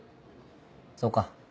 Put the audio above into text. そうか。